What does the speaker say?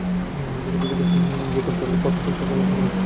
দেখিতে দেখিতে গোরার দলের প্রধান প্রধান সকল লোকই আসিয়া জুটিল।